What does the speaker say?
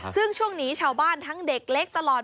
ซึ่งช่วงนี้ชาวบ้านทั้งเด็กเล็กตลอด